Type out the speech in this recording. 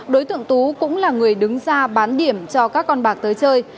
đối tượng tú cũng là người đứng ra bán điểm cho các con bạc tới chơi